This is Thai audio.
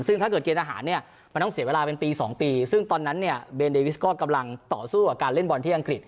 ซึ่งถ้าเกิดเกณฑ์อาหารเนี่ยมันต้องเสียเวลาเป็นปี๒ปีซึ่งตอนนั้นเนี่ยเบนเดวิสก็กำลังต่อสู้กับการเล่นบอลที่อังกฤษ